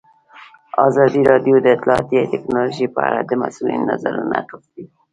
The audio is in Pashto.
ازادي راډیو د اطلاعاتی تکنالوژي په اړه د مسؤلینو نظرونه اخیستي.